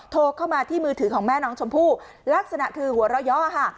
โทรเข้ามาที่มือถือของแม่น้องชมพู่ลักษณะคือหัวเราะย่อค่ะ